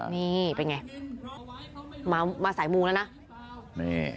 นี่เป็นไงมาสายมูแล้วนะ